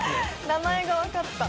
名前が分かった。